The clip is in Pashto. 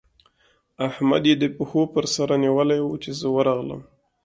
احمد يې د پښو پر سره نيولی وو؛ چې زه ورغلم.